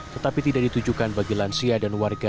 tetapi tidak ditujukan bagi lansia dan warga